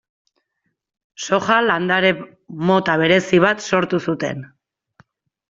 Soja landare mota berezi bat sortu zuten.